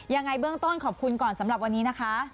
ยังไงเบื้องต้นขอบคุณก่อนสำหรับวันนี้นะคะ